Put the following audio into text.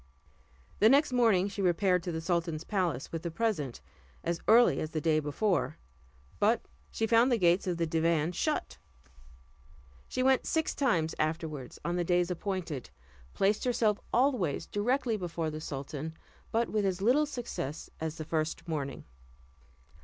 The next morning she repaired to the sultan's palace with the present, as early as the day before; but when she came there, she found the gates of the divan shut. She went six times afterward on the days appointed, placed herself always directly before the sultan, but with as little success as the first morning.